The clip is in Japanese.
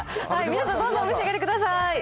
皆さん、どうぞお召し上がりください。